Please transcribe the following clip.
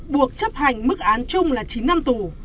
buộc chấp hành mức án chung là chín năm tù